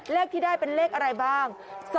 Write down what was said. เลขที่ได้เป็นเลขอะไรบ้าง๒๐๕๙๐๓๓๙๗